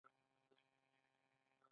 ځکه اضافي ارزښت یې له ځان سره نه دی راوړی